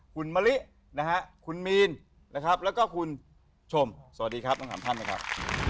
คุณมะลิคุณมีนแล้วก็คุณชมสวัสดีครับทั้ง๓ท่านนะครับ